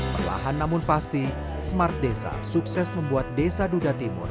perlahan namun pasti smart desa sukses membuat desa duda timur